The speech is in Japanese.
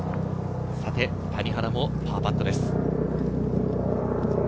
谷原もパーパットです。